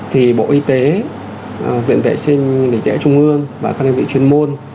thì bộ y tế viện vệ sinh địa chung gương và các đơn vị chuyên môn